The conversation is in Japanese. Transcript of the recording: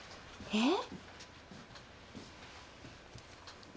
えっ！？